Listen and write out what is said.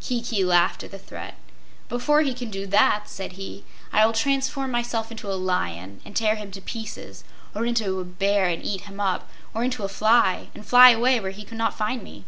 Kiki laughed at the threat. "Before he can do that," said he, "I will transform myself into a lion and tear him to pieces, or into a bear and eat him up, or into a fly and fly away where he could not find me."